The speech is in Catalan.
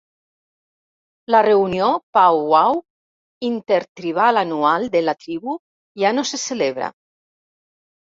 La reunió (pow wow) intertribal anual de la tribu ja no se celebra.